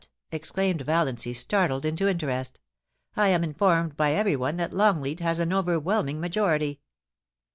exclaimed Valiancy, startled into interest * I am informed by everyone that Longleat has an overwhelm ing majority.'